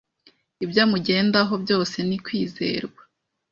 Ibyo amugendaho byose ni kwizerwa.